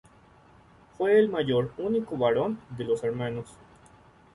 Fue el mayor, único varón, de los hermanos.